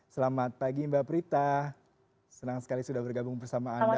selamat pagi mbak prita senang sekali sudah bergabung bersama anda